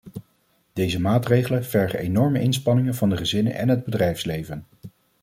Deze maatregelen vergen enorme inspanningen van de gezinnen en het bedrijfsleven.